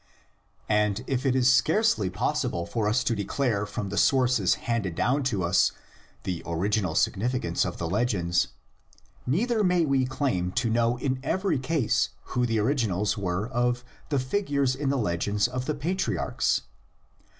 And if it is scarcely possible for us to declare from the sources handed down to us the original significance of the legends, neither may we claim to know in every case who the originals were of the figures in the legends of the patriarchs.